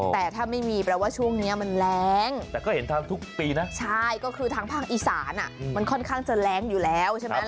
แต่ถ้าไม่มีแปลว่าช่วงนี้มันแรงแต่ก็เห็นทางทุกปีนะใช่ก็คือทางภาคอีสานมันค่อนข้างจะแรงอยู่แล้วใช่ไหม